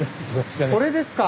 これですか？